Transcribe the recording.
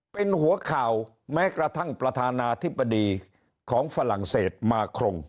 เป็นหัวข่าวแม้กระทั่งประธานาธิบดีของฝรั่งเศสมาครง